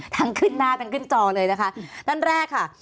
ทั้งขึ้นหน้าทั้งขึ้นจอเลยนะคะ